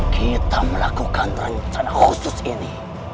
kita melakukan kegiatan khusus ini